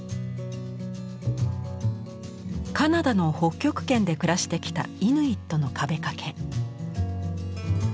カナダの北極圏で暮らしてきたイヌイットの壁掛け。